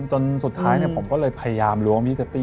จนสุดท้ายเนี้ยผมก็เลยพยายามรวมพี่เจปปี้